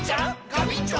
ガビンチョ！